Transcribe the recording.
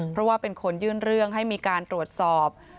เพราะว่าเป็นคนยื่นเรื่องให้มีการตรวจสอบ